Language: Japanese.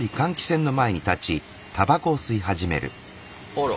あら。